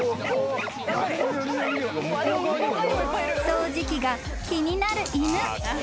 ［掃除機が気になる犬］